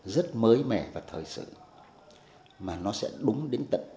rất mới mẻ và thời sự mà nó sẽ đúng đến tận